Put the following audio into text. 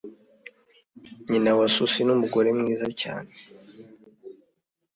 Nyina wa Susie numugore mwiza cyane.